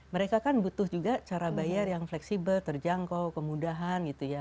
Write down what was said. mereka kan butuh juga cara bayar yang fleksibel terjangkau kemudahan gitu ya